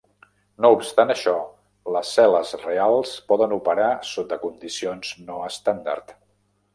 No obstant això, les cel·les reals poden operar sota condicions no estàndard.